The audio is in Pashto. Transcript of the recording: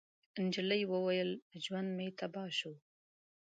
نجلۍ وويل: ژوند مې تباه شو.